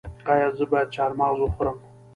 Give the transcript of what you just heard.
ایا زه باید چهارمغز وخورم؟